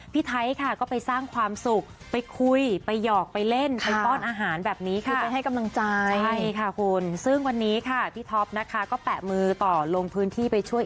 พี่ไท้ค่ะก็ไปสร้างความสุขไปคุยไปหยอกไปเล่นไปป้อนอาหารแบบนี้ค่ะให้กำลังใจให้ครบครุนซึ่งวันนี้ค่ะที่ทอปแล้วก็แปะมือต่อลงพื้นที่ไปช่วย